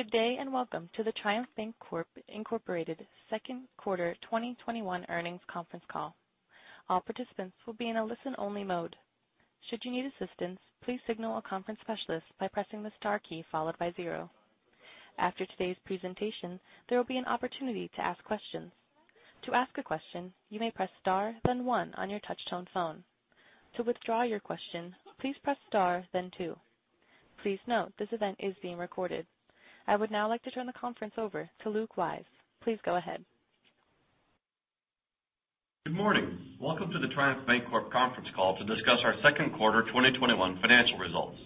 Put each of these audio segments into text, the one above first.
Good day. Welcome to the Triumph Bancorp, Inc. second quarter 2021 earnings conference call. All participants will be in a listen-only mode. Should you need assistance, please signal a conference specialist by pressing the star key followed by zero. After today's presentation, there will be an opportunity to ask questions. To ask a question, you may press star then one on your touch-tone phone. To withdraw your question, please press star then two. Please note, this event is being recorded. I would now like to turn the conference over to Luke Wyse. Please go ahead. Good morning. Welcome to the Triumph Bancorp conference call to discuss our second quarter 2021 financial results.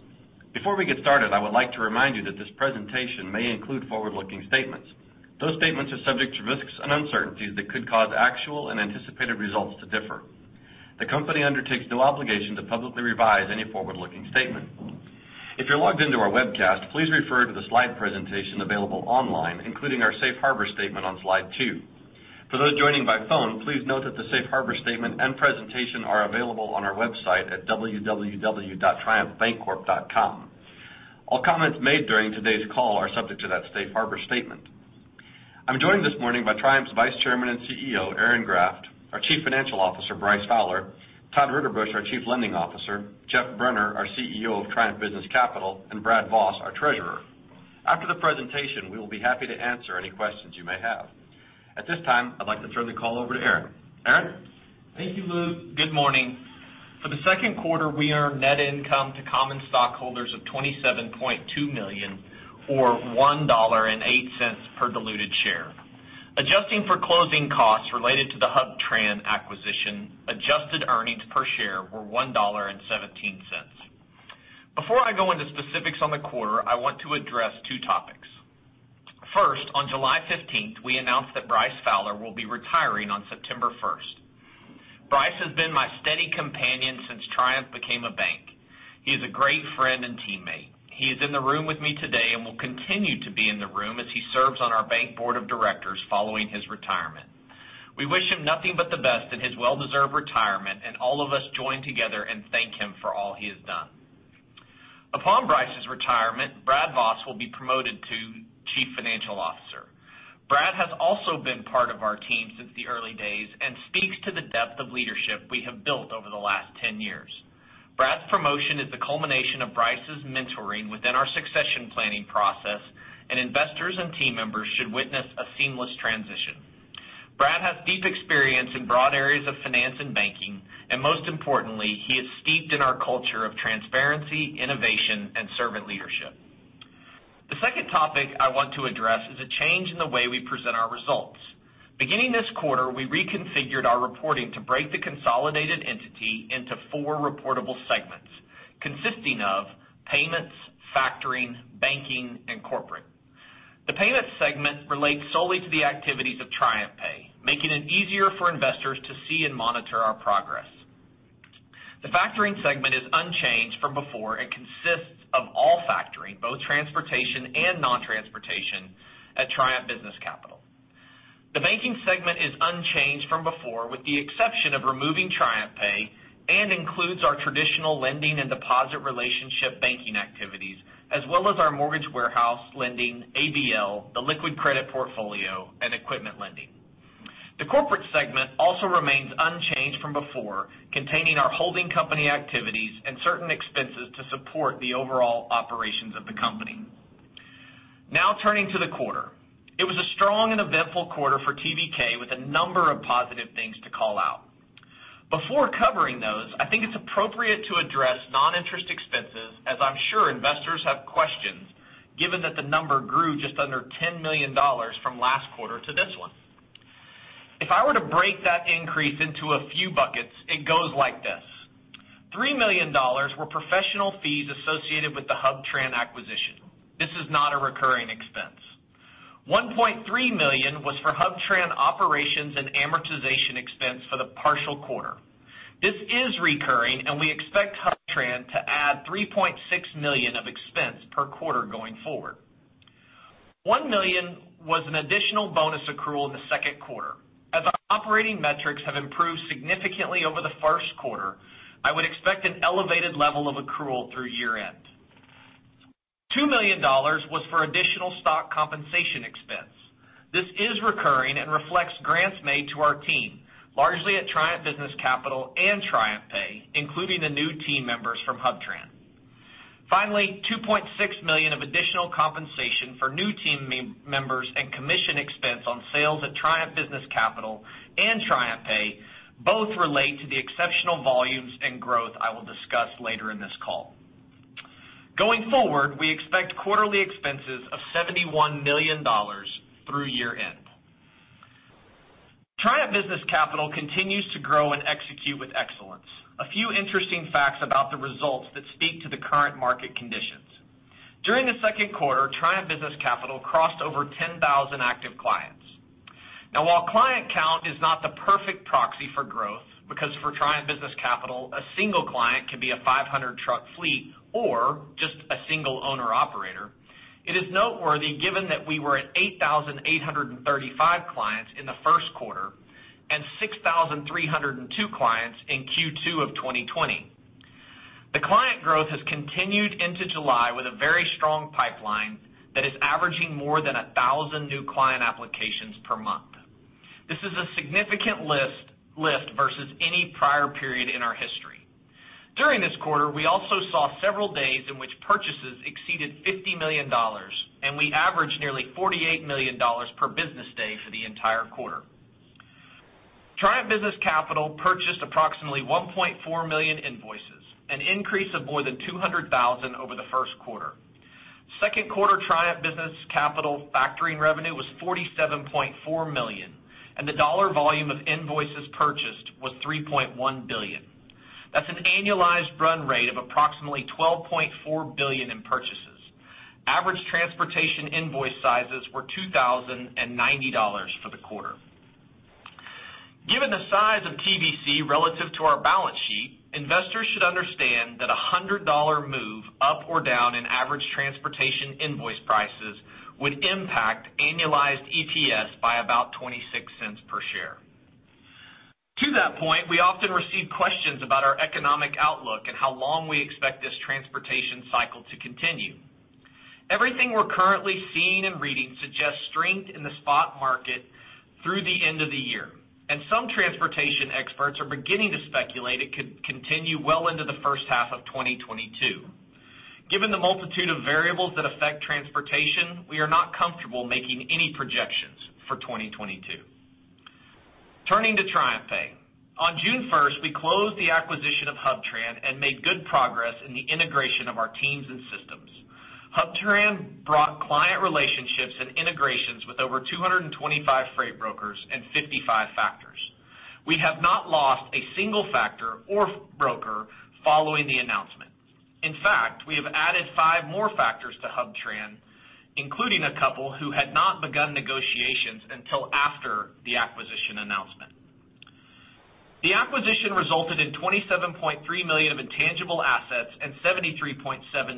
Before we get started, I would like to remind you that this presentation may include forward-looking statements. Those statements are subject to risks and uncertainties that could cause actual and anticipated results to differ. The company undertakes no obligation to publicly revise any forward-looking statement. If you're logged in to our webcast, please refer to the slide presentation available online, including our safe harbor statement on slide two. For those joining by phone, please note that the safe harbor statement and presentation are available on our website at www.triumphbancorp.com. All comments made during today's call are subject to that safe harbor statement. I'm joined this morning by Triumph's Vice Chairman and CEO, Aaron Graft, our Chief Financial Officer, Bryce Fowler, Todd Ritterbusch, our Chief Lending Officer, Geoff Brenner, our CEO of Triumph Business Capital, and Brad Voss, our Treasurer. After the presentation, we will be happy to answer any questions you may have. At this time, I'd like to turn the call over to Aaron. Aaron? Thank you, Luke. Good morning. For the second quarter, we earned net income to common stockholders of $27.2 million, or $1.08 per diluted share. Adjusting for closing costs related to the HubTran acquisition, adjusted earnings per share were $1.17. Before I go into specifics on the quarter, I want to address two topics. First, on July 15th, we announced that Bryce Fowler will be retiring on September 1st. Bryce has been my steady companion since Triumph became a bank. He is a great friend and teammate. He is in the room with me today and will continue to be in the room as he serves on our bank board of directors following his retirement. We wish him nothing but the best in his well-deserved retirement, and all of us join together and thank him for all he has done. Upon Bryce's retirement, Brad Voss will be promoted to Chief Financial Officer. Brad has also been part of our team since the early days and speaks to the depth of leadership we have built over the last 10 years. Brad's promotion is the culmination of Bryce's mentoring within our succession planning process, and investors and team members should witness a seamless transition. Brad has deep experience in broad areas of finance and banking, and most importantly, he is steeped in our culture of transparency, innovation, and servant leadership. The second topic I want to address is a change in the way we present our results. Beginning this quarter, we reconfigured our reporting to break the consolidated entity into four reportable segments consisting of payments, factoring, banking, and corporate. The payments segment relates solely to the activities of TriumphPay, making it easier for investors to see and monitor our progress. The factoring segment is unchanged from before and consists of all factoring, both transportation and non-transportation at Triumph Business Capital. The banking segment is unchanged from before, with the exception of removing TriumphPay and includes our traditional lending and deposit relationship banking activities, as well as our mortgage warehouse lending, ABL, the liquid credit portfolio, and equipment lending. The corporate segment also remains unchanged from before, containing our holding company activities and certain expenses to support the overall operations of the company. Turning to the quarter. It was a strong and eventful quarter for TBK with a number of positive things to call out. Before covering those, I think it's appropriate to address non-interest expenses, as I'm sure investors have questions, given that the number grew just under $10 million from last quarter to this one. If I were to break that increase into a few buckets, it goes like this: $3 million were professional fees associated with the HubTran acquisition. This is not a recurring expense. $1.3 million was for HubTran operations and amortization expense for the partial quarter. This is recurring, and we expect HubTran to add $3.6 million of expense per quarter going forward. $1 million was an additional bonus accrual in the second quarter. As operating metrics have improved significantly over the first quarter, I would expect an elevated level of accrual through year-end. $2 million was for additional stock compensation expense. This is recurring and reflects grants made to our team, largely at Triumph Business Capital and TriumphPay, including the new team members from HubTran. Finally, $2.6 million of additional compensation for new team members and commission expense on sales at Triumph Business Capital and TriumphPay both relate to the exceptional volumes and growth I will discuss later in this call. Going forward, we expect quarterly expenses of $71 million through year-end. Triumph Business Capital continues to grow and execute with excellence. A few interesting facts about the results that speak to the current market conditions. During the second quarter, Triumph Business Capital crossed over 10,000 active clients. Now, while client count is not the perfect proxy for growth because for Triumph Business Capital, a single client can be a 500-truck fleet or just a single owner-operator, it is noteworthy given that we were at 8,835 clients in the first quarter and 6,302 clients in Q2 2020. The client growth has continued into July with a very strong pipeline that is averaging more than 1,000 new client applications per month. This is a significant lift versus any prior period in our history. During this quarter, we also saw several days in which purchases exceeded $50 million, and we averaged nearly $48 million per business day for the entire quarter. Triumph Business Capital purchased approximately 1.4 million invoices, an increase of more than 200,000 over the first quarter. Second quarter Triumph Business Capital factoring revenue was $47.4 million, and the dollar volume of invoices purchased was $3.1 billion. That's an annualized run rate of approximately $12.4 billion in purchases. Average transportation invoice sizes were $2,090 for the quarter. Given the size of TBC relative to our balance sheet, investors should understand that a $100 move up or down in average transportation invoice prices would impact annualized EPS by about $0.26 per share. To that point, we often receive questions about our economic outlook and how long we expect this transportation cycle to continue. Everything we're currently seeing and reading suggests strength in the spot market through the end of the year, and some transportation experts are beginning to speculate it could continue well into the first half of 2022. Given the multitude of variables that affect transportation, we are not comfortable making any projections for 2022. Turning to TriumphPay. On June 1st, we closed the acquisition of HubTran and made good progress in the integration of our teams and systems. HubTran brought client relationships and integrations with over 225 freight brokers and 55 factors. We have not lost a single factor or broker following the announcement. In fact, we have added five more factors to HubTran, including a couple who had not begun negotiations until after the acquisition announcement. The acquisition resulted in $27.3 million of intangible assets and $73.7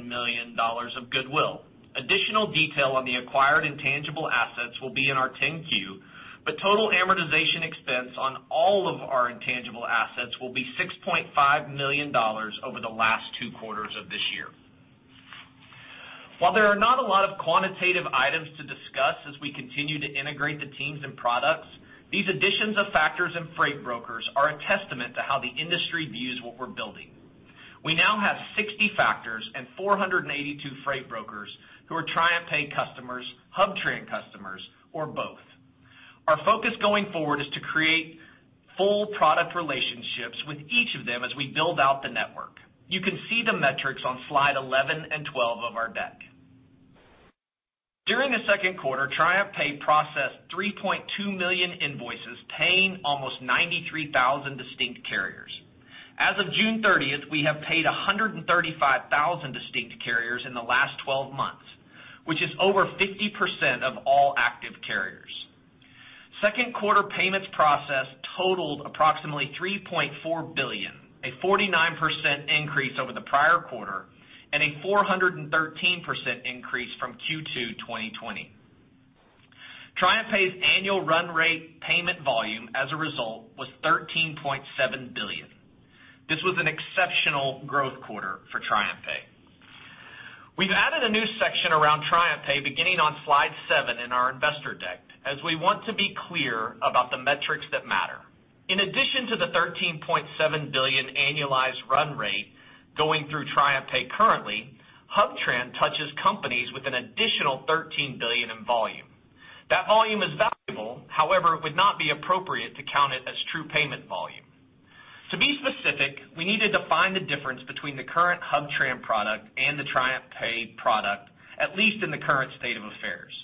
million of goodwill. Additional detail on the acquired intangible assets will be in our 10-Q, but total amortization expense on all of our intangible assets will be $6.5 million over the last two quarters of this year. While there are not a lot of quantitative items to discuss as we continue to integrate the teams and products, these additions of factors and freight brokers are a testament to how the industry views what we're building. We now have 60 factors and 482 freight brokers who are TriumphPay customers, HubTran customers, or both. Our focus going forward is to create full product relationships with each of them as we build out the network. You can see the metrics on slide 11 and 12 of our deck. During the second quarter, TriumphPay processed 3.2 million invoices paying almost 93,000 distinct carriers. As of June 30th, we have paid 135,000 distinct carriers in the last 12 months, which is over 50% of all active carriers. Second quarter payments processed totaled approximately $3.4 billion, a 49% increase over the prior quarter and a 413% increase from Q2 2020. TriumphPay's annual run rate payment volume, as a result, was $13.7 billion. This was an exceptional growth quarter for TriumphPay. We've added a new section around TriumphPay beginning on slide seven in our investor deck, as we want to be clear about the metrics that matter. In addition to the $13.7 billion annualized run rate going through TriumphPay currently, HubTran touches companies with an additional $13 billion in volume. That volume is valuable. However, it would not be appropriate to count it as true payment volume. To be specific, we need to define the difference between the current HubTran product and the TriumphPay product, at least in the current state of affairs.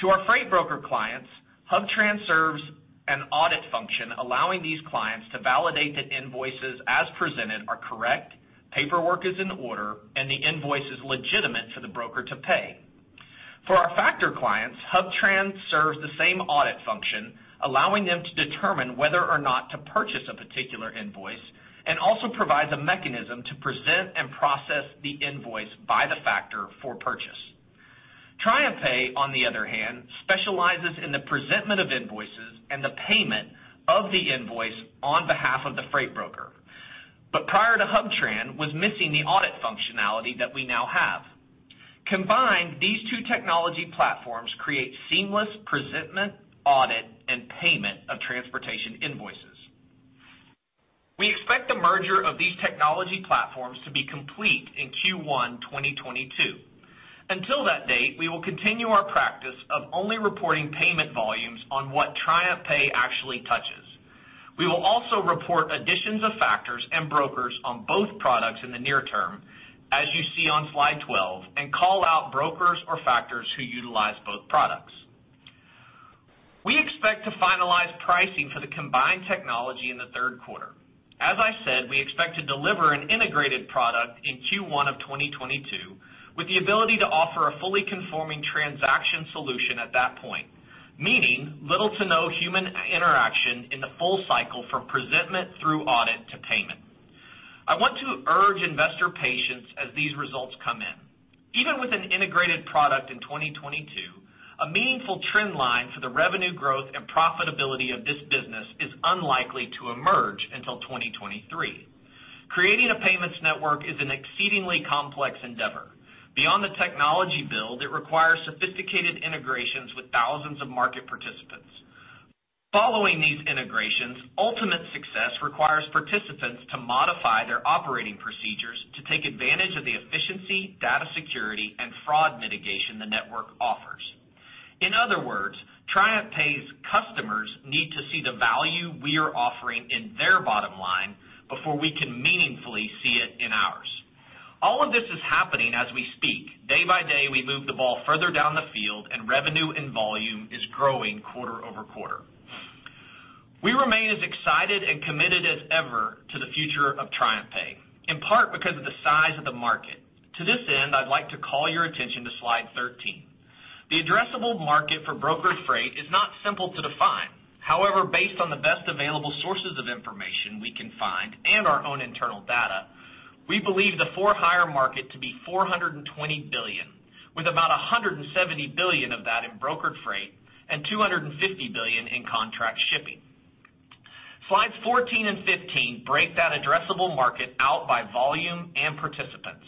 To our freight broker clients, HubTran serves an audit function allowing these clients to validate that invoices as presented are correct, paperwork is in order, and the invoice is legitimate for the broker to pay. For our factor clients, HubTran serves the same audit function, allowing them to determine whether or not to purchase a particular invoice, and also provides a mechanism to present and process the invoice by the factor for purchase. TriumphPay, on the other hand, specializes in the presentment of invoices and the payment of the invoice on behalf of the freight broker, but prior to HubTran, was missing the audit functionality that we now have. Combined, these two technology platforms create seamless presentment, audit, and payment of transportation invoices. We expect the merger of these technology platforms to be complete in Q1 2022. Until that date, we will continue our practice of only reporting payment volumes on what TriumphPay actually touches. We will also report additions of factors and brokers on both products in the near term, as you see on slide 12, and call out brokers or factors who utilize both products. We expect to finalize pricing for the combined technology in the third quarter. As I said, we expect to deliver an integrated product in Q1 of 2022 with the ability to offer a fully conforming transaction solution at that point, meaning little to no human interaction in the full cycle from presentment through audit to payment. I want to urge investor patience as these results come in. Even with an integrated product in 2022, a meaningful trend line for the revenue growth and profitability of this business is unlikely to emerge until 2023. Creating a payments network is an exceedingly complex endeavor. Beyond the technology build, it requires sophisticated integrations with thousands of market participants. Following these integrations, ultimate success requires participants to modify their operating procedures to take advantage of the efficiency, data security, and fraud mitigation the network offers. In other words, TriumphPay's customers need to see the value we are offering in their bottom line before we can meaningfully see it in ours. All of this is happening as we speak. Day by day, we move the ball further down the field and revenue and volume is growing quarter-over-quarter. We remain as excited and committed as ever to the future of TriumphPay, in part because of the size of the market. To this end, I'd like to call your attention to slide 13. The addressable market for brokered freight is not simple to define. However, based on the best available sources of information we can find and our own internal data, we believe the for-hire market to be $420 billion, with about $170 billion of that in brokered freight and $250 billion in contract shipping. Slides 14 and 15 break that addressable market out by volume and participants.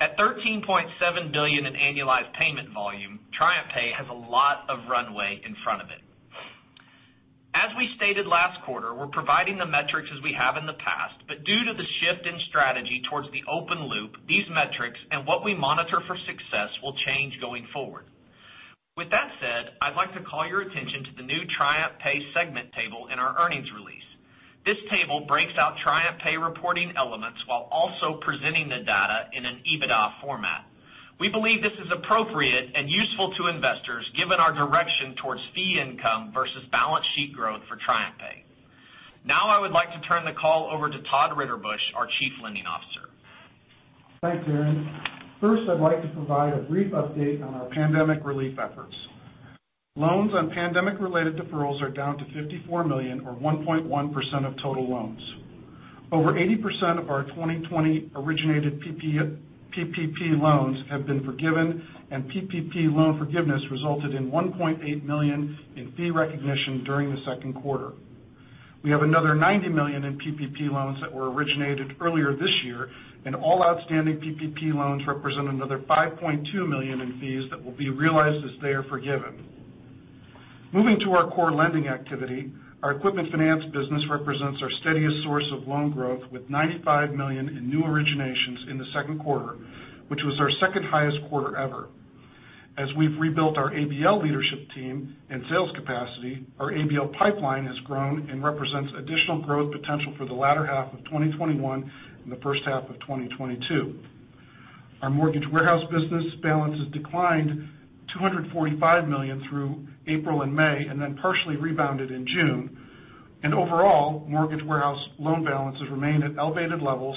At $13.7 billion in annualized payment volume, TriumphPay has a lot of runway in front of it. As we stated last quarter, we're providing the metrics as we have in the past, but due to the shift in strategy towards the open loop, these metrics and what we monitor for success will change going forward. With that said, I'd like to call your attention to the new TriumphPay segment table in our earnings release. This table breaks out TriumphPay reporting elements while also presenting the data in an EBITDA format. We believe this is appropriate and useful to investors given our direction towards fee income versus balance sheet growth for TriumphPay. Now I would like to turn the call over to Todd Ritterbusch, our Chief Lending Officer. Thanks, Aaron. First, I'd like to provide a brief update on our pandemic relief efforts. Loans on pandemic related deferrals are down to $54 million or 1.1% of total loans. Over 80% of our 2020 originated PPP loans have been forgiven, and PPP loan forgiveness resulted in $1.8 million in fee recognition during the second quarter. We have another $90 million in PPP loans that were originated earlier this year, and all outstanding PPP loans represent another $5.2 million in fees that will be realized as they are forgiven. Moving to our core lending activity, our equipment finance business represents our steadiest source of loan growth with $95 million in new originations in the second quarter, which was our second highest quarter ever. As we've rebuilt our ABL leadership team and sales capacity, our ABL pipeline has grown and represents additional growth potential for the latter half of 2021 and the first half of 2022. Our mortgage warehouse business balances declined $245 million through April and May and then partially rebounded in June. Overall, mortgage warehouse loan balances remain at elevated levels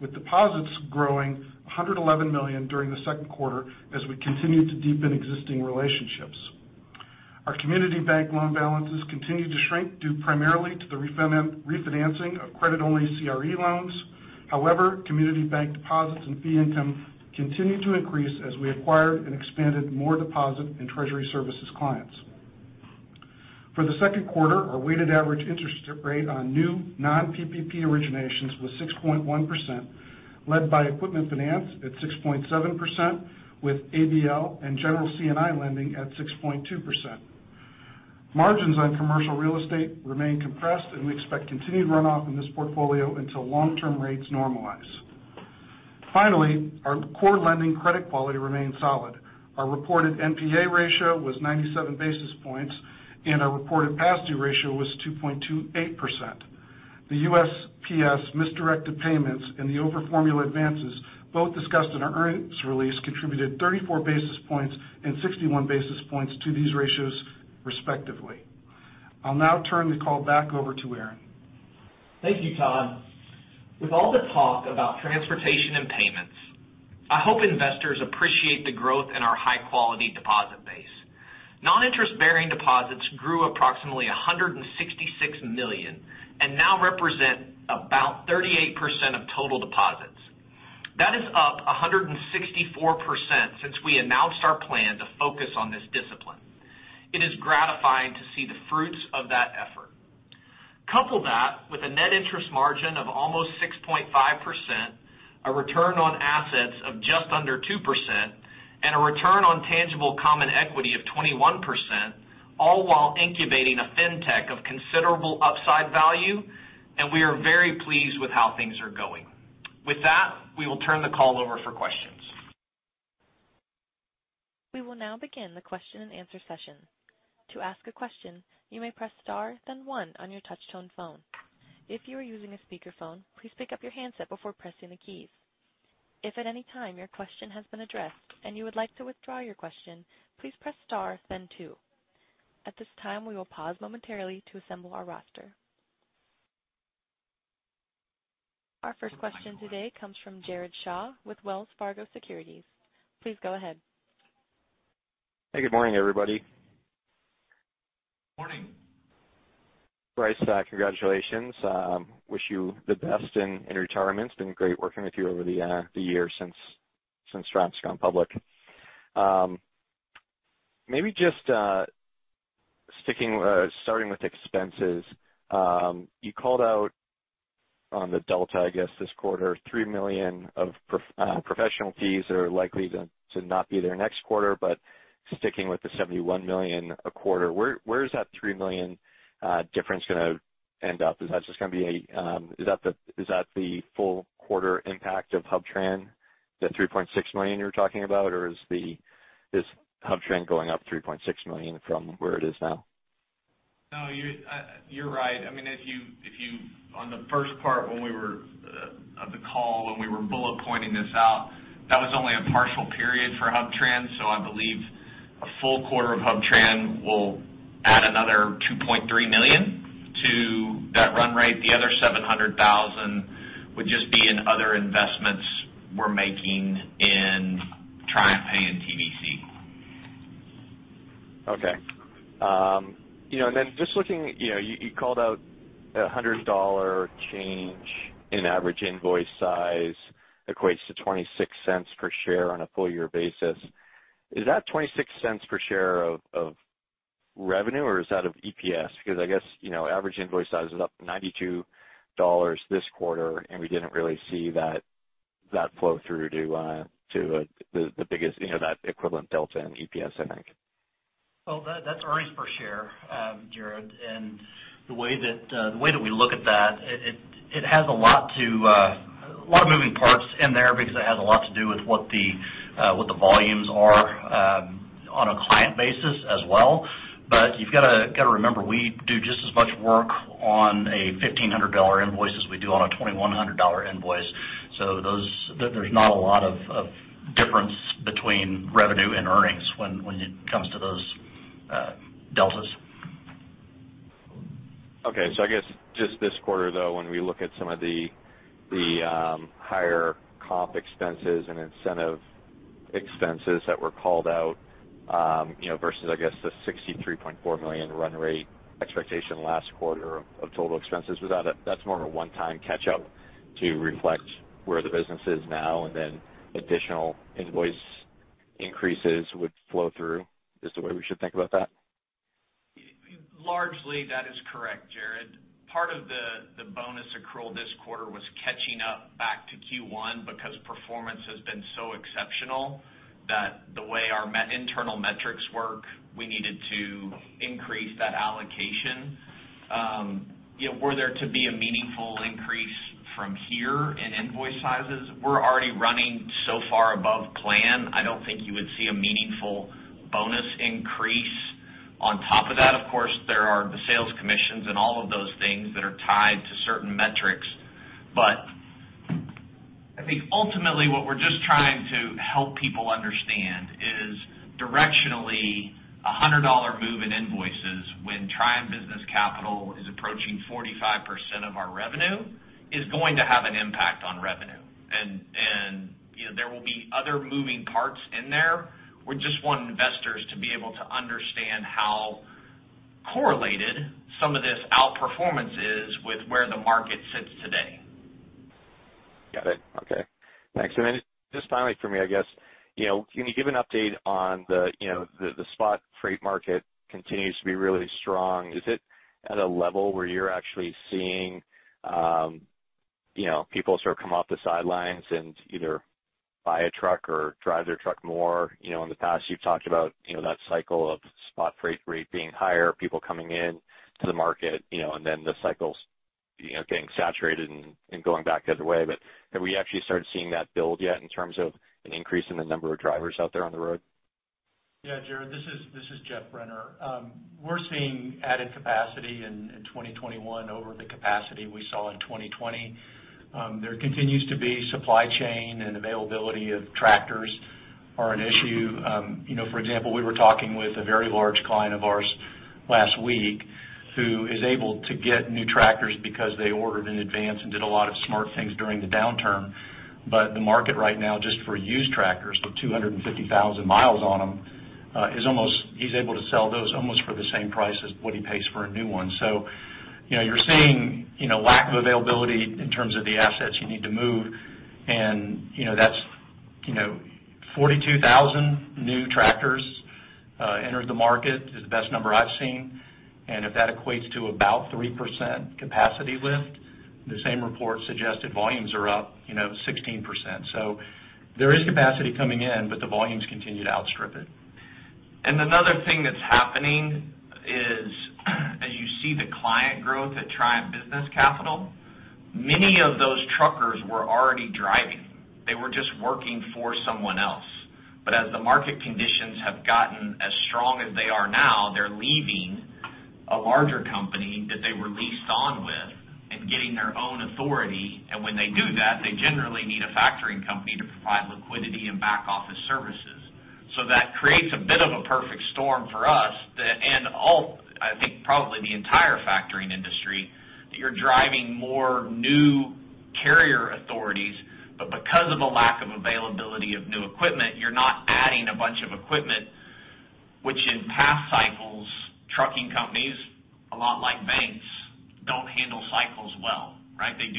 with deposits growing $111 million during the second quarter as we continued to deepen existing relationships. Our community bank loan balances continued to shrink due primarily to the refinancing of credit-only CRE loans. However, community bank deposits and fee income continued to increase as we acquired and expanded more deposit and treasury services clients. For the second quarter, our weighted average interest rate on new non-PPP originations was 6.1%, led by equipment finance at 6.7%, with ABL and general C&I lending at 6.2%. Margins on commercial real estate remain compressed and we expect continued runoff in this portfolio until long-term rates normalize. Finally, our core lending credit quality remains solid. Our reported NPA ratio was 97 basis points, and our reported past due ratio was 2.28%. The USPS misdirected payments and the over-formula advances, both discussed in our earnings release, contributed 34 basis points and 61 basis points to these ratios, respectively. I'll now turn the call back over to Aaron. Thank you, Todd. With all the talk about transportation and payments, I hope investors appreciate the growth in our high-quality deposit base. Non-interest-bearing deposits grew approximately $166 million and now represent about 38% of total deposits. That is up 164% since we announced our plan to focus on this discipline. It is gratifying to see the fruits of that effort. Couple that with a net interest margin of almost 6.5%, a return on assets of just under 2%, and a return on tangible common equity of 21%, all while incubating a fintech of considerable upside value, and we are very pleased with how things are going. With that, we will turn the call over for questions. Our first question today comes from Jared Shaw with Wells Fargo Securities. Please go ahead. Hey, good morning, everybody. Morning. Bryce, congratulations. Wish you the best in retirement. It's been great working with you over the years since Triumph's gone public. Maybe just starting with expenses. You called out on the delta, I guess, this quarter, $3 million of professional fees are likely to not be there next quarter, but sticking with the $71 million a quarter, where is that $3 million difference going to end up? Is that the full quarter impact of HubTran, the $3.6 million you're talking about, or is this HubTran going up $3.6 million from where it is now? No, you're right. On the first part of the call, when we were bullet pointing this out, that was only a partial period for HubTran. I believe a full quarter of HubTran will add another $2.3 million to that run rate. The other $700,000 would just be in other investments we're making in Triumph and TBC. Okay. Just looking, you called out a $100 change in average invoice size equates to $0.26 per share on a full year basis. Is that $0.26 per share of revenue, or is that of EPS? I guess, average invoice size is up $92 this quarter, and we didn't really see that flow through to the biggest, that equivalent delta in EPS, I think. Well, that's earnings per share, Jared. The way that we look at that, it has a lot of moving parts in there because it has a lot to do with what the volumes are on a client basis as well. You've got to remember, we do just as much work on a $1,500 invoice as we do on a $2,100 invoice. There's not a lot of difference between revenue and earnings when it comes to those deltas. I guess just this quarter, though, when we look at some of the higher comp expenses and incentive expenses that were called out, versus I guess the $63.4 million run rate expectation last quarter of total expenses, that's more of a one-time catch-up to reflect where the business is now and then additional invoice increases would flow through, is the way we should think about that? Largely that is correct, Jared. Part of the bonus accrual this quarter was catching up back to Q1 because performance has been so exceptional that the way our internal metrics work, we needed to increase that allocation. Were there to be a meaningful increase from here in invoice sizes, we're already running so far above plan, I don't think you would see a meaningful bonus increase on top of that. Of course, there are the sales commissions and all of those things that are tied to certain metrics, but I think ultimately what we're just trying to help people understand is directionally, a $100 move in invoices when Triumph Business Capital is approaching 45% of our revenue, is going to have an impact on revenue. There will be other moving parts in there. We just want investors to be able to understand how correlated some of this outperformance is with where the market sits today. Got it. Okay. Thanks. Then just finally for me, I guess, can you give an update on the spot freight market continues to be really strong? Is it at a level where you're actually seeing people sort of come off the sidelines and either buy a truck or drive their truck more? In the past you've talked about that cycle of spot freight rate being higher, people coming in to the market, and then the cycles getting saturated and going back the other way. Have we actually started seeing that build yet in terms of an increase in the number of drivers out there on the road? Yeah, Jared, this is Geoff Brenner. We're seeing added capacity in 2021 over the capacity we saw in 2020. There continues to be supply chain and availability of tractors are an issue. For example, we were talking with a very large client of ours last week who is able to get new tractors because they ordered in advance and did a lot of smart things during the downturn. The market right now, just for used tractors with 250,000 mi on them, he's able to sell those almost for the same price as what he pays for a new one. You're seeing lack of availability in terms of the assets you need to move and that's 42,000 new tractors entered the market is the best number I've seen. If that equates to about 3% capacity lift, the same report suggested volumes are up 16%. There is capacity coming in, but the volumes continue to outstrip it. Another thing that's happening is as you see the client growth at Triumph Business Capital, many of those truckers were already driving. They were just working for someone else. As the market conditions have gotten as strong as they are now, they're leaving a larger company that they were leased on with and getting their own authority, and when they do that, they generally need a factoring company to provide liquidity and back office services. That creates a bit of a perfect storm for us, and I think probably the entire factoring industry, that you're driving more new carrier authorities, but because of a lack of availability of new equipment, you're not adding a bunch of equipment, which in past cycles, trucking companies, a lot like banks, don't handle cycle well. They do.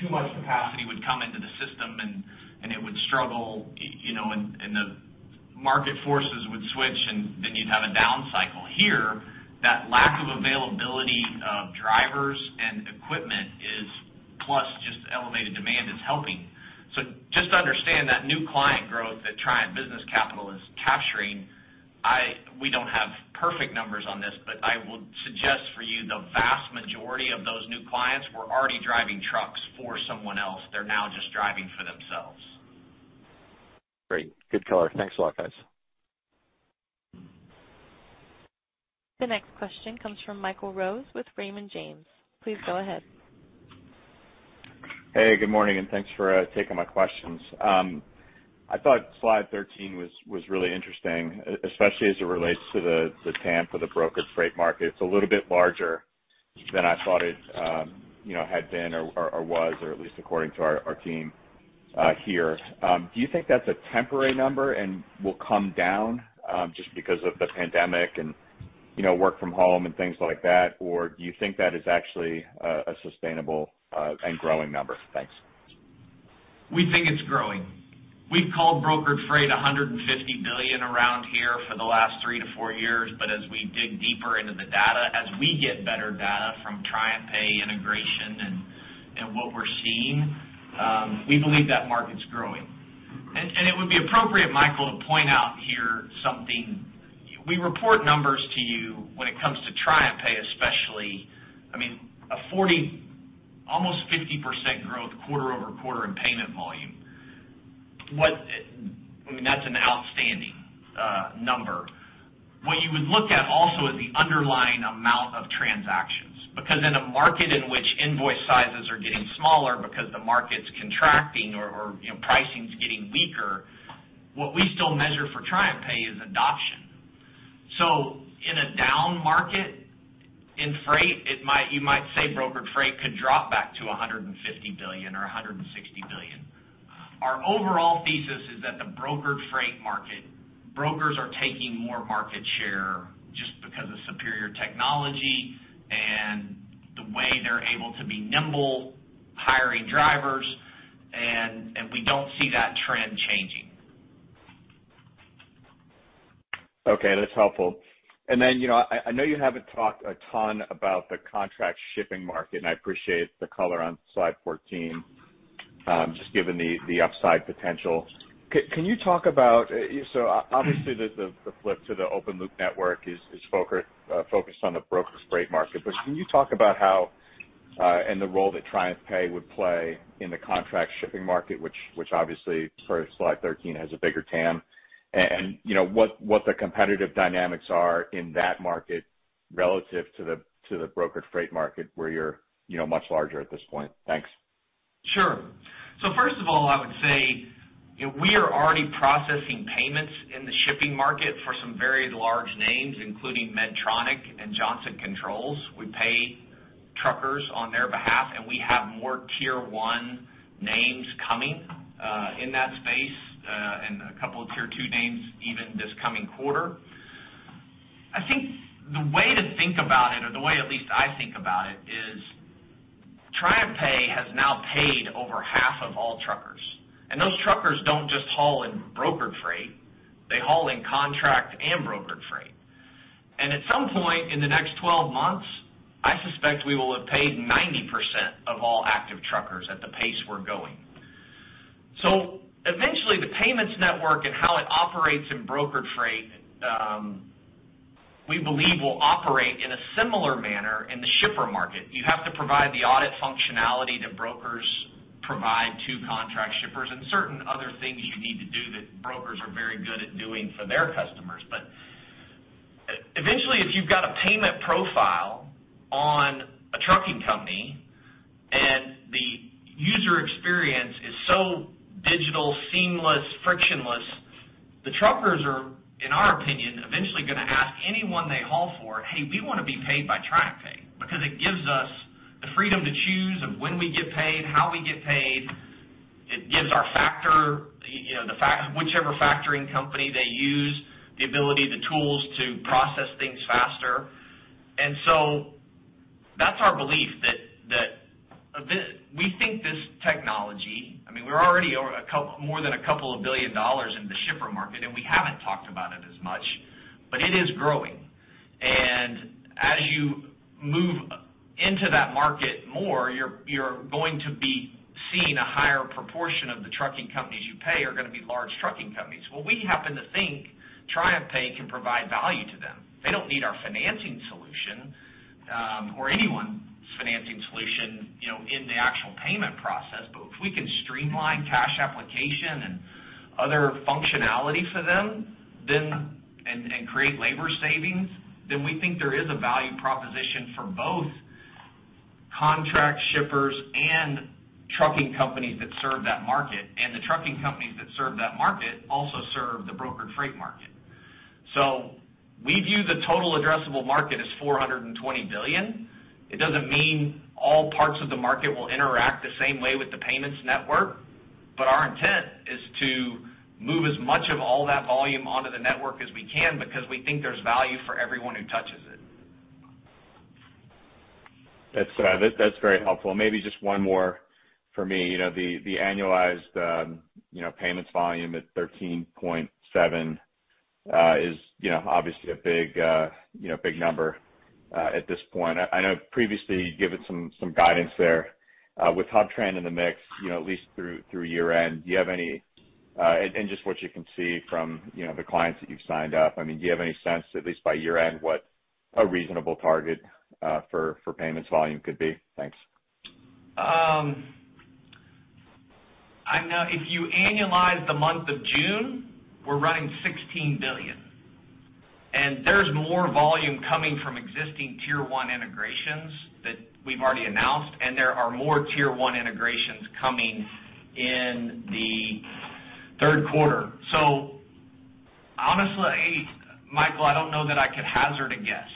Too much capacity would come into the system and it would struggle, and the market forces would switch and then you'd have a down cycle. Here, that lack of availability of drivers and equipment is, plus just elevated demand is helping. Just understand that new client growth that Triumph Business Capital is capturing, we don't have perfect numbers on this, but I will suggest for you, the vast majority of those new clients were already driving trucks for someone else. Great. Good color. Thanks a lot, guys. The next question comes from Michael Rose with Raymond James. Please go ahead. Hey, good morning. Thanks for taking my questions. I thought slide 13 was really interesting, especially as it relates to the TAM for the brokered freight market. It's a little bit larger than I thought it had been or was, or at least according to our team here. Do you think that's a temporary number and will come down, just because of the pandemic and work from home and things like that? Do you think that is actually a sustainable and growing number? Thanks. We think it's growing. We've called brokered freight $150 billion around here for the last three to four years, as we dig deeper into the data, as we get better data from TriumphPay integration and what we're seeing, we believe that market's growing. It would be appropriate, Michael, to point out here something. We report numbers to you when it comes to TriumphPay, especially, a 40%, almost 50% growth quarter-over-quarter in payment volume. That's an outstanding number. What you would look at also is the underlying amount of transactions, because in a market in which invoice sizes are getting smaller because the market's contracting or pricing's getting weaker, what we still measure for TriumphPay is adoption. In a down market in freight, you might say brokered freight could drop back to $150 billion or $160 billion. Our overall thesis is that the brokered freight market, brokers are taking more market share just because of superior technology and the way they're able to be nimble, hiring drivers, and we don't see that trend changing. Okay, that's helpful. I know you haven't talked a ton about the contract shipping market, and I appreciate the color on slide 14, just given the upside potential. Obviously, the flip to the open loop network is focused on the brokered freight market. Can you talk about how, and the role that TriumphPay would play in the contract shipping market, which obviously for slide 13 has a bigger TAM, and what the competitive dynamics are in that market relative to the brokered freight market where you're much larger at this point? Thanks. Sure. First of all, I would say we are already processing payments in the shipping market for some very large names, including Medtronic and Johnson Controls. We pay truckers on their behalf, and we have more Tier 1 names coming in that space, and a couple of Tier 2 names even this coming quarter. I think the way to think about it, or the way at least I think about it, is TriumphPay has now paid over half of all truckers. Those truckers don't just haul in brokered freight, they haul in contract and brokered freight. At some point in the next 12 months, I suspect we will have paid 90% of all active truckers at the pace we're going. Eventually, the payments network and how it operates in brokered freight, we believe will operate in a similar manner in the shipper market. You have to provide the audit functionality that brokers provide to contract shippers and certain other things you need to do that brokers are very good at doing for their customers. Eventually, if you've got a payment profile on a trucking company and the user experience is so digital, seamless, frictionless, the truckers are, in our opinion, eventually going to ask anyone they haul for, "Hey, we want to be paid by TriumphPay because it gives us the freedom to choose of when we get paid, how we get paid." It gives whichever factoring company they use, the ability, the tools to process things faster. That's our belief, we think this technology, we're already more than a couple of billion dollars in the shipper market, and we haven't talked about it as much, but it is growing. As you move into that market more, you're going to be seeing a higher proportion of the trucking companies you pay are going to be large trucking companies. We happen to think TriumphPay can provide value to them. They don't need our financing solution, or anyone's financing solution in the actual payment process. If we can streamline cash application and other functionality for them, and create labor savings, then we think there is a value proposition for both contract shippers and trucking companies that serve that market. The trucking companies that serve that market also serve the brokered freight market. We view the total addressable market as $420 billion. It doesn't mean all parts of the market will interact the same way with the payments network. Our intent is to move as much of all that volume onto the network as we can because we think there's value for everyone who touches it. That's very helpful. Maybe just one more for me. The annualized payments volume at 13.7 is obviously a big number at this point. I know previously you'd given some guidance there with HubTran in the mix at least through year-end. Just what you can see from the clients that you've signed up, do you have any sense, at least by year-end, what a reasonable target for payments volume could be? Thanks. If you annualize the month of June, we're running $16 billion. There's more volume coming from existing Tier 1 integrations that we've already announced, and there are more Tier 1 integrations coming in the third quarter. Honestly, Michael, I don't know that I could hazard a guess.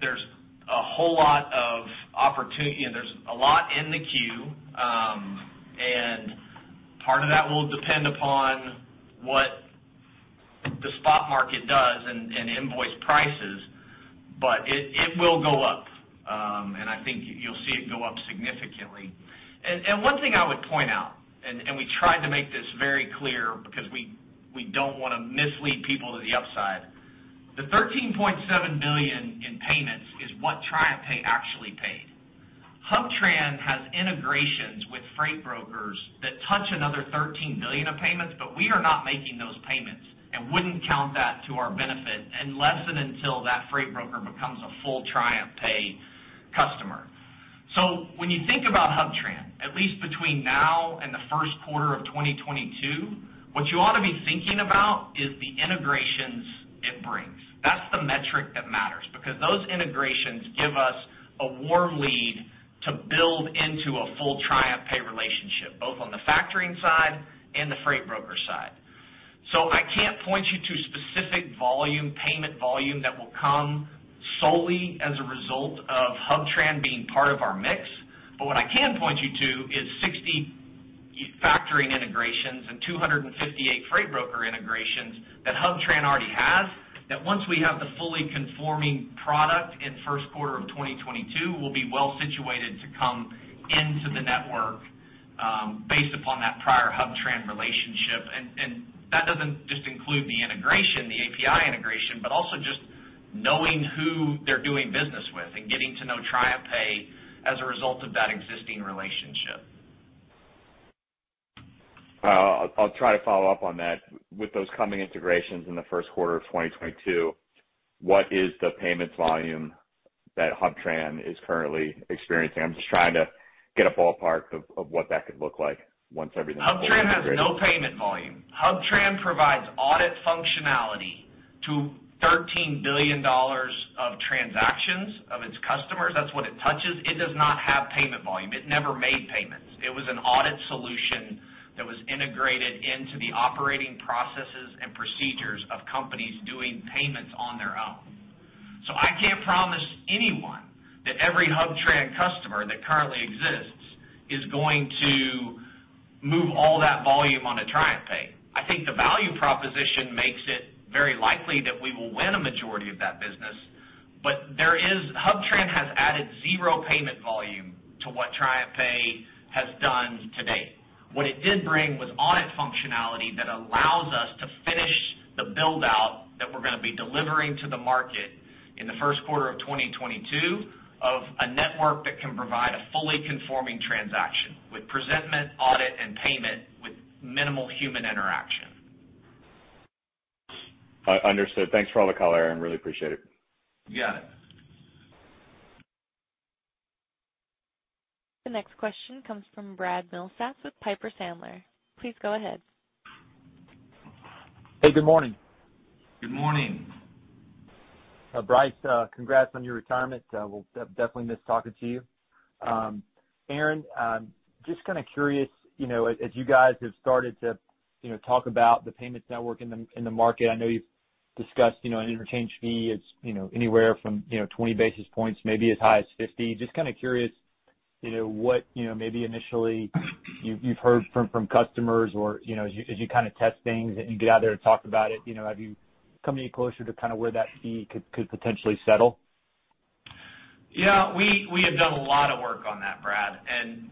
There's a lot in the queue, and part of that will depend upon what the spot market does and invoice prices, but it will go up. I think you'll see it go up significantly. One thing I would point out, and we tried to make this very clear because we don't want to mislead people to the upside, the $13.7 billion in payments is what TriumphPay actually paid. HubTran has integrations with freight brokers that touch another $13 billion of payments. We are not making those payments and wouldn't count that to our benefit unless and until that freight broker becomes a full TriumphPay customer. When you think about HubTran, at least between now and the first quarter of 2022, what you ought to be thinking about is the integrations it brings. That's the metric that matters because those integrations give us a warm lead to build into a full TriumphPay relationship, both on the factoring side and the freight broker side. I can't point you to specific payment volume that will come solely as a result of HubTran being part of our mix. What I can point you to is 60 factoring integrations and 258 freight broker integrations that HubTran already has, that once we have the fully conforming product in first quarter of 2022, we'll be well-situated to come into the network based upon that prior HubTran relationship. That doesn't just include the API integration, but also just knowing who they're doing business with and getting to know TriumphPay as a result of that existing relationship. I'll try to follow up on that. With those coming integrations in the first quarter of 2022, what is the payments volume that HubTran is currently experiencing? I'm just trying to get a ballpark of what that could look like once everything is fully integrated. HubTran has no payment volume. HubTran provides audit functionality to $13 billion of transactions of its customers. That's what it touches. It does not have payment volume. It never made payments. It was an audit solution that was integrated into the operating processes and procedures of companies doing payments on their own. I can't promise anyone that every HubTran customer that currently exists is going to move all that volume onto TriumphPay. I think the value proposition makes it very likely that we will win a majority of that business, but HubTran has added zero payment volume to what TriumphPay has done to date. What it did bring was audit functionality that allows us to finish the build-out that we're going to be delivering to the market in the first quarter of 2022 of a network that can provide a fully conforming transaction with presentment, audit, and payment with minimal human interaction. Understood. Thanks for all the color, Aaron. Really appreciate it. You got it. The next question comes from Brad Milsaps with Piper Sandler. Please go ahead. Hey, good morning. Good morning. Bryce, congrats on your retirement. We'll definitely miss talking to you. Aaron, just kind of curious, as you guys have started to talk about the payments network in the market, I know you've discussed an interchange fee is anywhere from 20 basis points, maybe as high as 50 basis points. Just kind of curious what maybe initially you've heard from customers or as you kind of test things and get out there and talk about it, have you come any closer to where that fee could potentially settle? Yeah. We have done a lot of work on that, Brad.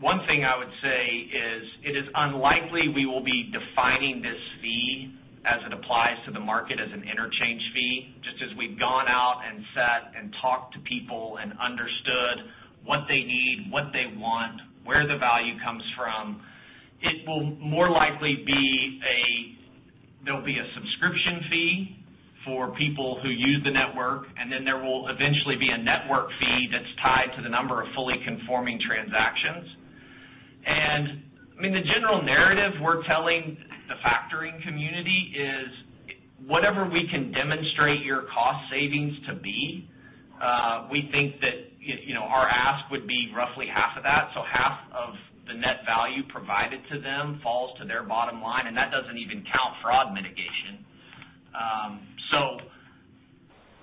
One thing I would say is it is unlikely we will be defining this fee as it applies to the market as an interchange fee, just as we've gone out and sat and talked to people and understood what they need, what they want, where the value comes from. It will more likely be a subscription fee for people who use the network. Then there will eventually be a network fee that's tied to the number of fully conforming transactions. The general narrative we're telling the factoring community is whatever we can demonstrate your cost savings to be, we think that our ask would be roughly half of that. Half of the net value provided to them falls to their bottom line, and that doesn't even count fraud mitigation.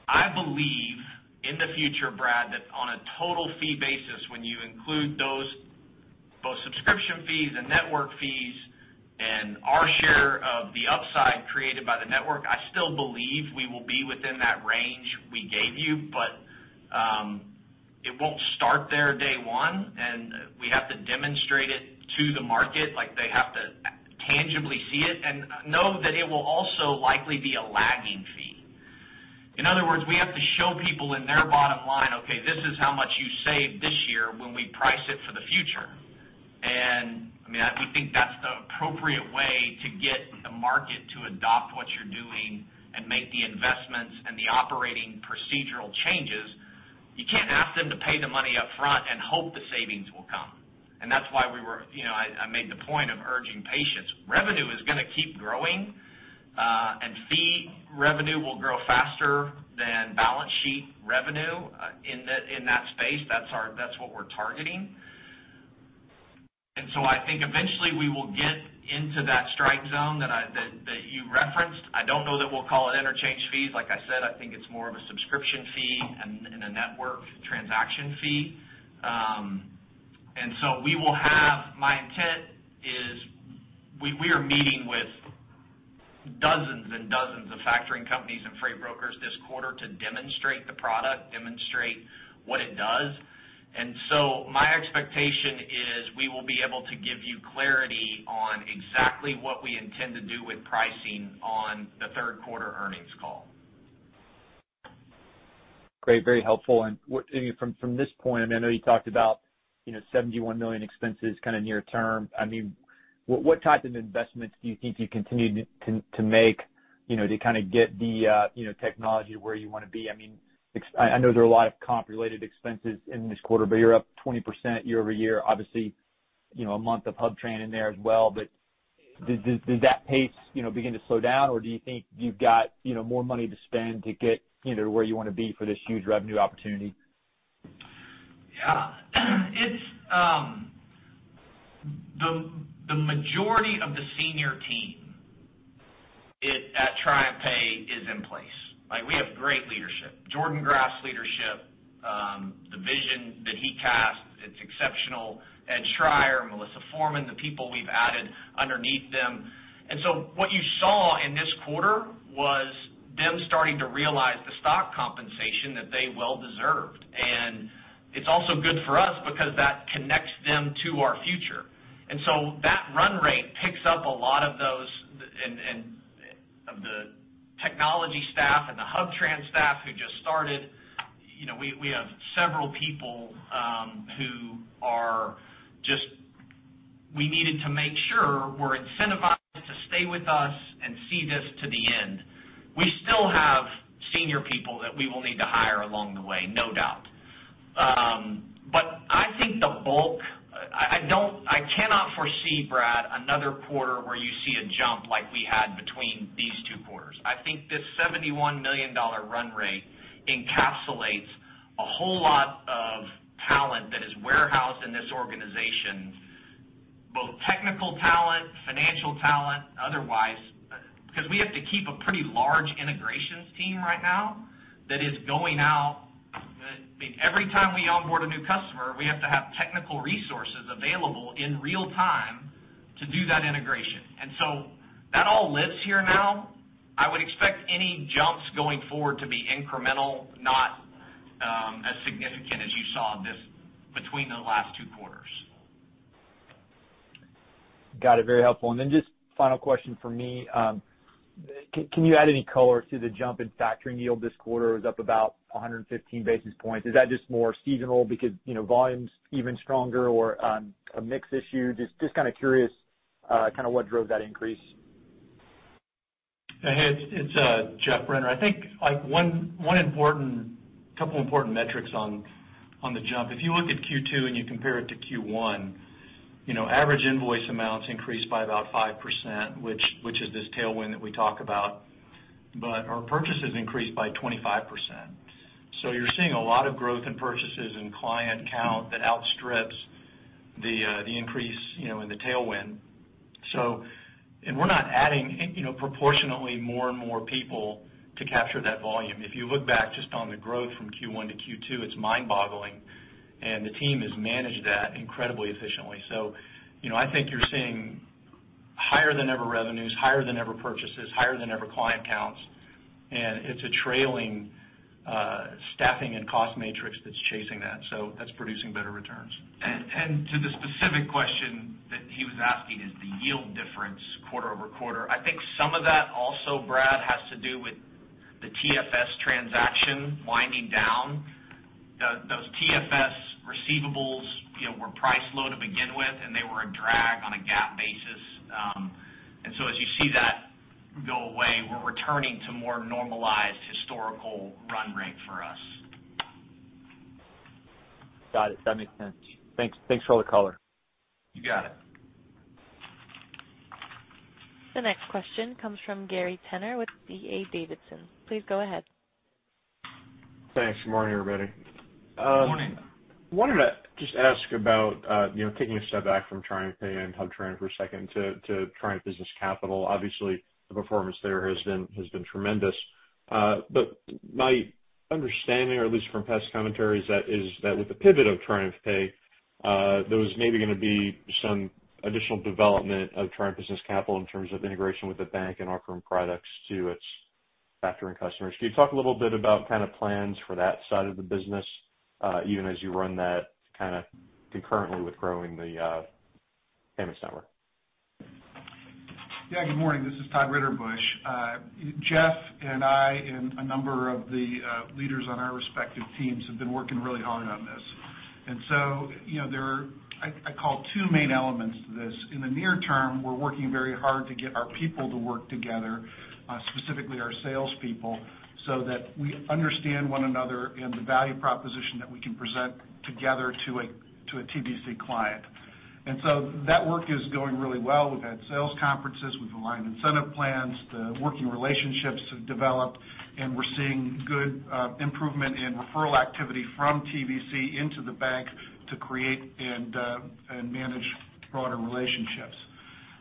I believe in the future, Brad, that on a total fee basis, when you include both subscription fees and network fees and our share of the upside created by the network, I still believe we will be within that range we gave you. It won't start there day one, and we have to demonstrate it to the market. They have to tangibly see it and know that it will also likely be a lagging fee. In other words, we have to show people in their bottom line, okay, this is how much you saved this year when we price it for the future. We think that's the appropriate way to get the market to adopt what you're doing and make the investments and the operating procedural changes. You can't ask them to pay the money up front and hope the savings will come. That's why I made the point of urging patience. Revenue is going to keep growing, and fee revenue will grow faster than balance sheet revenue in that space. That's what we're targeting. I think eventually we will get into that strike zone that you referenced. I don't know that we'll call it interchange fees. Like I said, I think it's more of a subscription fee and a network transaction fee. My intent is we are meeting with dozens and dozens of factoring companies and freight brokers this quarter to demonstrate the product, demonstrate what it does. My expectation is we will be able to give you clarity on exactly what we intend to do with pricing on the third quarter earnings call. Great. Very helpful. From this point, I know you talked about $71 million expenses kind of near term. What type of investments do you think you continue to make to get the technology where you want to be? I know there are a lot of comp-related expenses in this quarter, but you're up 20% year-over-year. Obviously, a month of HubTran in there as well. Does that pace begin to slow down, or do you think you've got more money to spend to get where you want to be for this huge revenue opportunity? Yeah. The majority of the senior team at TriumphPay is in place. We have great leadership. Jordan Graft's leadership, the vision that he cast, it's exceptional. Ed Schreyer, Melissa Forman, the people we've added underneath them. What you saw in this quarter was them starting to realize the stock compensation that they well deserved. It's also good for us because that connects them to our future. That run rate picks up a lot of those, of the technology staff and the HubTran staff who just started. We have several people who we needed to make sure were incentivized to stay with us and see this to the end. We still have senior people that we will need to hire along the way, no doubt. I think the bulk, I cannot foresee, Brad, another quarter where you see a jump like we had between these two quarters. I think this $71 million run rate encapsulates a whole lot of talent that is warehoused in this organization, both technical talent, financial talent, otherwise, because we have to keep a pretty large integrations team right now that is going out. Every time we onboard a new customer, we have to have technical resources available in real time to do that integration. That all lives here now. I would expect any jumps going forward to be incremental, not as significant as you saw between the last two quarters. Got it. Very helpful. Just final question from me. Can you add any color to the jump in factoring yield this quarter? It was up about 115 basis points. Is that just more seasonal because volume's even stronger or a mix issue? Just kind of curious what drove that increase. Hey, it's Geoff Brenner. I think a couple important metrics on the jump. If you look at Q2 and you compare it to Q1, average invoice amounts increased by about 5%, which is this tailwind that we talk about. Our purchases increased by 25%. You're seeing a lot of growth in purchases and client count that outstrips the increase in the tailwind. We're not adding proportionately more and more people to capture that volume. If you look back just on the growth from Q1 to Q2, it's mind-boggling, and the team has managed that incredibly efficiently. I think you're seeing higher than ever revenues, higher than ever purchases, higher than ever client counts, and it's a trailing staffing and cost matrix that's chasing that. That's producing better returns. To the specific question that he was asking is the yield difference quarter-over-quarter. I think some of that also, Brad, has to do with the TFS transaction winding down. Those TFS receivables were priced low to begin with, and they were a drag on a GAAP basis. As you see that go away, we're returning to more normalized historical run rate for us. Got it. That makes sense. Thanks for all the color. You got it. The next question comes from Gary Tenner with D.A. Davidson. Please go ahead. Thanks. Good morning, everybody. Morning. Wanted to just ask about, taking a step back from TriumphPay and HubTran for a second to Triumph Business Capital. Obviously, the performance there has been tremendous. My understanding or at least from past commentary is that with the pivot of TriumphPay, there was maybe going to be some additional development of Triumph Business Capital in terms of integration with the bank and offering products to its factoring customers. Can you talk a little bit about plans for that side of the business even as you run that concurrently with growing the payments network? Yeah. Good morning. This is Todd Ritterbusch. Geoff and I and a number of the leaders on our respective teams have been working really hard on this. There are, I call two main elements to this. In the near term, we're working very hard to get our people to work together, specifically our salespeople, so that we understand one another and the value proposition that we can present together to a TBC client. That work is going really well. We've had sales conferences. We've aligned incentive plans. The working relationships have developed, and we're seeing good improvement in referral activity from TBC into the bank to create and manage broader relationships.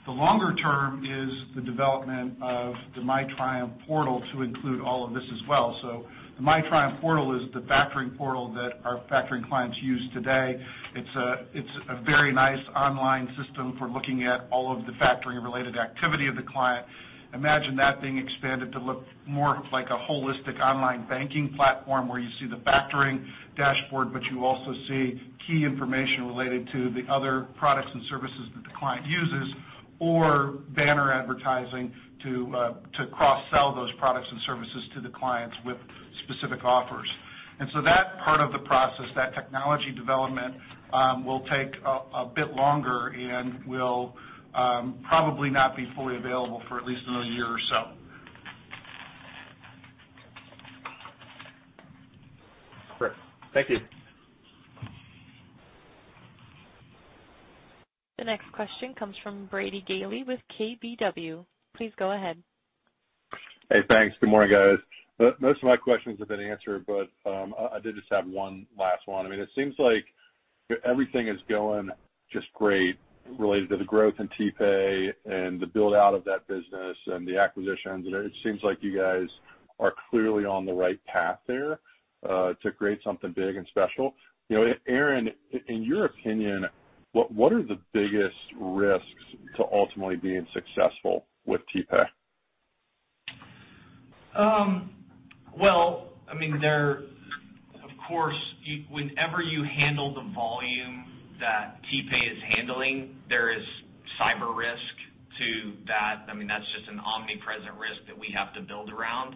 The longer term is the development of the MyTriumph portal to include all of this as well. The MyTriumph portal is the factoring portal that our factoring clients use today. It's a very nice online system for looking at all of the factoring-related activity of the client. Imagine that being expanded to look more like a holistic online banking platform where you see the factoring dashboard, but you also see key information related to the other products and services that the client uses or banner advertising to cross-sell those products and services to the clients with specific offers. That part of the process, that technology development will take a bit longer and will probably not be fully available for at least another year or so. Great. Thank you. The next question comes from Brady Gailey with KBW. Please go ahead. Hey, thanks. Good morning, guys. Most of my questions have been answered, I did just have 1 last one. It seems like everything is going just great related to the growth in TriumphPay and the build-out of that business and the acquisitions. It seems like you guys are clearly on the right path there to create something big and special. Aaron, in your opinion, what are the biggest risks to ultimately being successful with TriumphPay? Well, of course, whenever you handle the volume that TriumphPay is handling, there is cyber risk to that. That's just an omnipresent risk that we have to build around.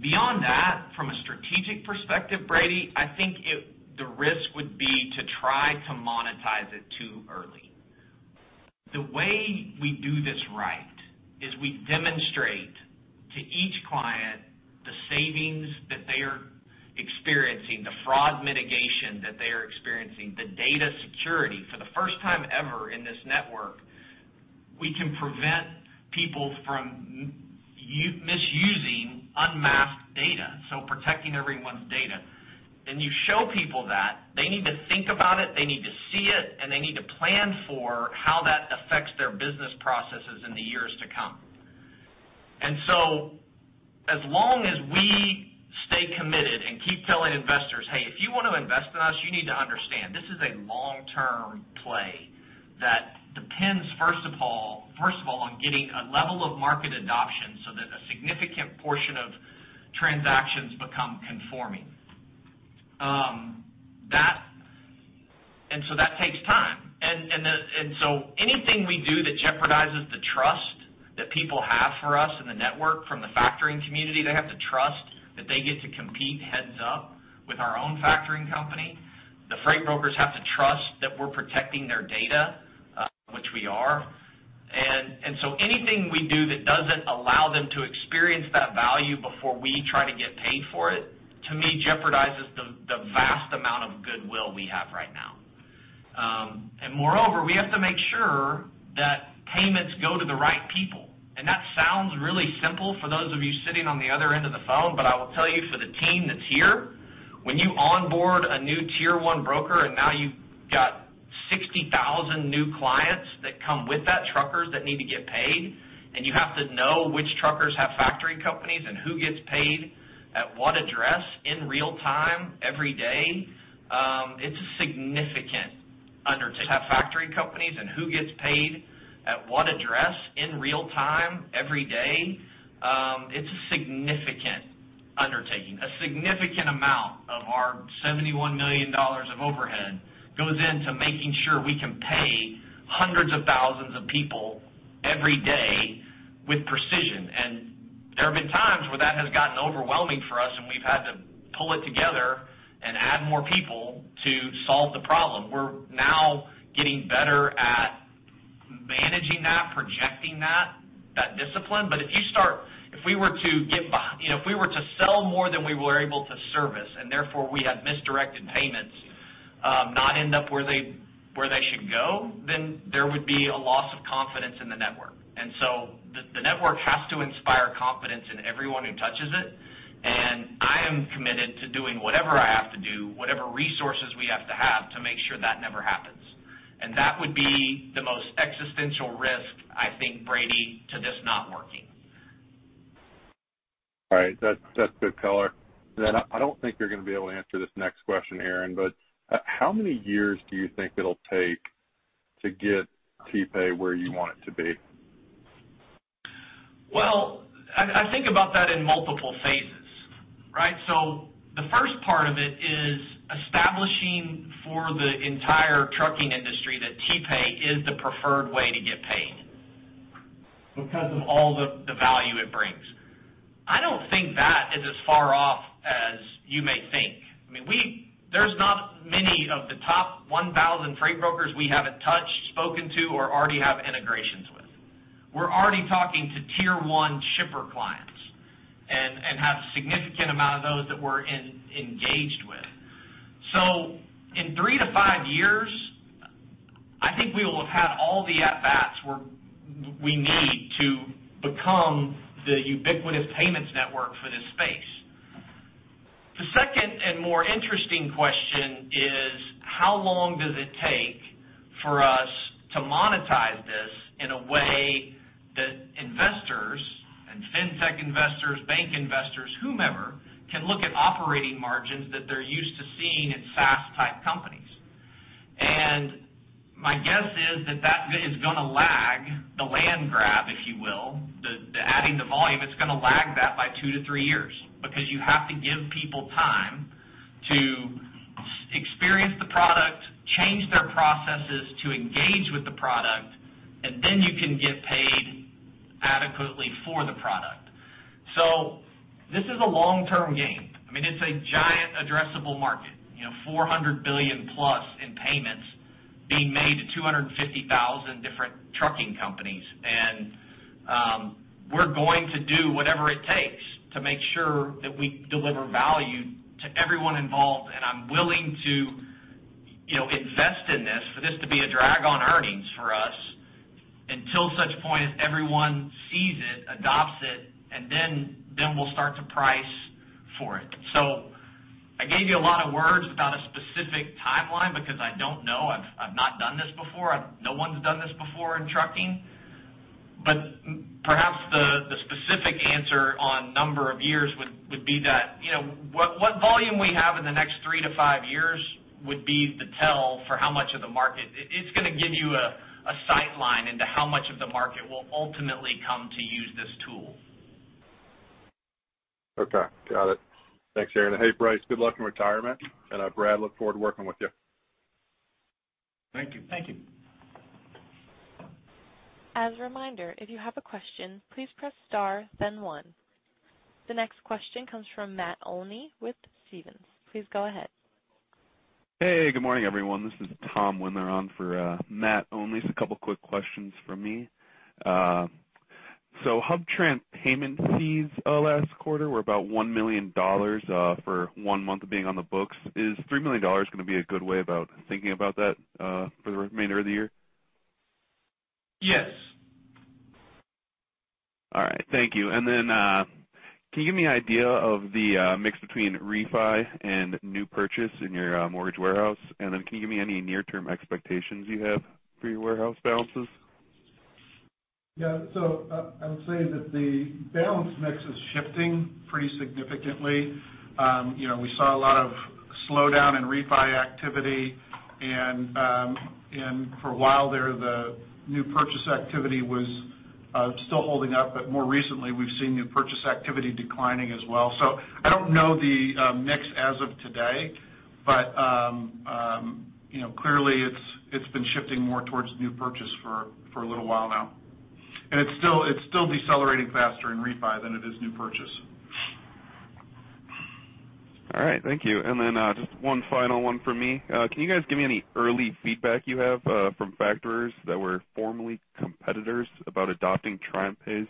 Beyond that, from a strategic perspective, Brady, I think the risk would be to try to monetize it too early. The way we do this right is we demonstrate to each client the savings that they are experiencing, the fraud mitigation that they are experiencing, the data security. For the first time ever in this network, we can prevent people from misusing unmasked data, protecting everyone's data. You show people that. They need to think about it, they need to see it, and they need to plan for how that affects their business processes in the years to come. As long as we stay committed and keep telling investors, "Hey, if you want to invest in us, you need to understand, this is a long-term play that depends, first of all, on getting a level of market adoption so that a significant portion of transactions become conforming." That takes time. Anything we do that jeopardizes the trust that people have for us in the network from the factoring community, they have to trust that they get to compete heads up with our own factoring company. The freight brokers have to trust that we're protecting their data, which we are. Anything we do that doesn't allow them to experience that value before we try to get paid for it, to me, jeopardizes the vast amount of goodwill we have right now. Moreover, we have to make sure that payments go to the right people. That sounds really simple for those of you sitting on the other end of the phone, but I will tell you for the team that's here, when you onboard a new Tier 1 broker, now you've got 60,000 new clients that come with that, truckers that need to get paid, you have to know which truckers have factoring companies and who gets paid at what address in real time every day, it's a significant undertaking. A significant amount of our $71 million of overhead goes into making sure we can pay hundreds of thousands of people every day with precision. There have been times where that has gotten overwhelming for us, and we've had to pull it together and add more people to solve the problem. We're now getting better at managing that, projecting that discipline. If we were to sell more than we were able to service, and therefore we had misdirected payments not end up where they should go, then there would be a loss of confidence in the network. The network has to inspire confidence in everyone who touches it, and I am committed to doing whatever I have to do, whatever resources we have to have, to make sure that never happens. That would be the most existential risk, I think, Brady, to this not working. All right. That's good color. I don't think you're going to be able to answer this next question, Aaron, but how many years do you think it'll take to get TriumphPay where you want it to be? Well, I think about that in multiple phases, right? The first part of it is establishing for the entire trucking industry that TriumphPay is the preferred way to get paid because of all the value it brings. I don't think that is as far off as you may think. There's not many of the top 1,000 freight brokers we haven't touched, spoken to, or already have integrations with. We're already talking to Tier 1 shipper clients and have a significant amount of those that we're engaged with. In three to five years, I think we will have had all the at-bats we need to become the ubiquitous payments network for this space. The second and more interesting question is how long does it take for us to monetize this in a way that investors and fintech investors, bank investors, whomever, can look at operating margins that they're used to seeing in SaaS-type companies. My guess is that is going to lag the land grab, if you will, the adding the volume, it's going to lag that by two to three years because you have to give people time to experience the product, change their processes to engage with the product, and then you can get paid adequately for the product. This is a long-term game. It's a giant addressable market, $400 billion+ in payments being made to 250,000 different trucking companies. We're going to do whatever it takes to make sure that we deliver value to everyone involved, and I'm willing to invest in this for this to be a drag on earnings for us until such point as everyone sees it, adopts it, and then we'll start to price for it. I gave you a lot of words without a specific timeline because I don't know. I've not done this before. No one's done this before in trucking. Perhaps the specific answer on number of years would be that what volume we have in the next three to five years would be the tell for how much of the market. It's going to give you a sightline into how much of the market will ultimately come to use this tool. Okay. Got it. Thanks, Aaron, and hey, Bryce, good luck in retirement. Brad, look forward to working with you. Thank you. Thank you. As a reminder, if you have a question, please press star then one. The next question comes from Matt Olney with Stephens. Please go ahead. Hey, good morning, everyone. This is Tom Wendler on for Matt Olney. A couple quick questions from me. HubTran payment fees last quarter were about $1 million for one month of being on the books. Is $3 million going to be a good way about thinking about that for the remainder of the year? Yes. All right. Thank you. Can you give me an idea of the mix between refi and new purchase in your mortgage warehouse, and then can you give me any near-term expectations you have for your warehouse balances? Yeah. I would say that the balance mix is shifting pretty significantly. We saw a lot of slowdown in refi activity and for a while there, the new purchase activity was still holding up, but more recently, we've seen new purchase activity declining as well. I don't know the mix as of today, but clearly it's been shifting more towards new purchase for a little while now, and it's still decelerating faster in refi than it is new purchase. All right. Thank you. Just one final one from me. Can you guys give me any early feedback you have from factors that were formerly competitors about adopting TriumphPay?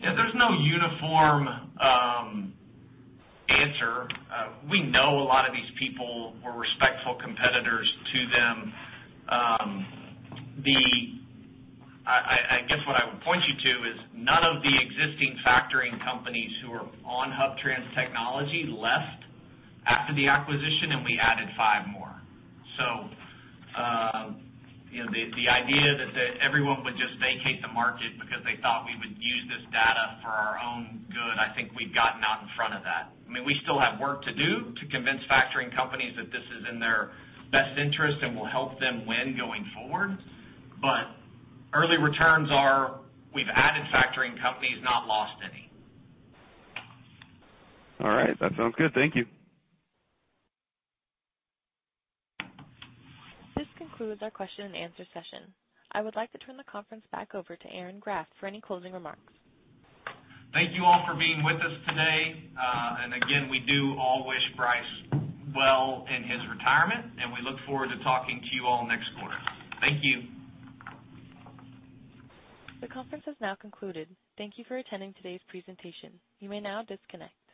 Yeah. There's no uniform answer. We know a lot of these people. We're respectful competitors to them. I guess what I would point you to is none of the existing factoring companies who are on HubTran Technology left after the acquisition, and we added five more. The idea that everyone would just vacate the market because they thought we would use this data for our own good, I think we've gotten out in front of that. We still have work to do to convince factoring companies that this is in their best interest and will help them win going forward, but early returns are we've added factoring companies, not lost any. All right. That sounds good. Thank you. This concludes our question and answer session. I would like to turn the conference back over to Aaron Graft for any closing remarks. Thank you all for being with us today. Again, we do all wish Bryce well in his retirement, and we look forward to talking to you all next quarter. Thank you. The conference has now concluded. Thank you for attending today's presentation. You may now disconnect.